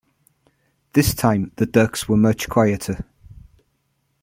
This time the ducks were much quieter.